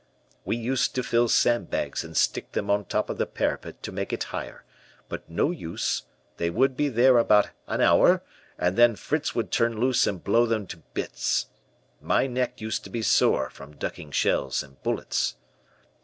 "We used to fill sandbags and stick them on top of the parapet to make it higher, but no use, they would be there about an hour, and then Fritz would turn loose and blow them to bits. My neck used to be sore from ducking shells and bullets.